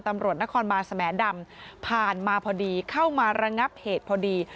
ตำรวจนครบานสมดำผ่านมาพอดีเข้ามาระงับเหตุพอดี